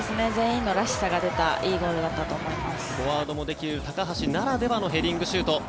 全員が、らしさが出たいいゴールだったと思います。